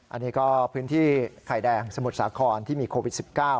อันนี้ก็พื้นที่ไข่แดงสมุทรสาครที่มีโควิด๑๙